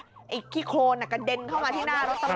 ไอ้ขี้โครนกระเด็นเข้ามาที่หน้ารถตำรวจ